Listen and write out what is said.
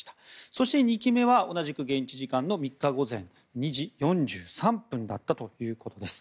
そして、２機目は同じく現地時間の３日午前２時４３分だったということです。